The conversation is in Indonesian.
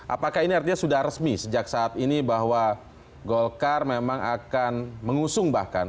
apakah ini artinya sudah resmi sejak saat ini bahwa golkar memang akan mengusung bahkan